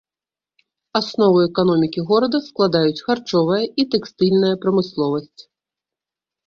Аснову эканомікі горада складаюць харчовая і тэкстыльная прамысловасць.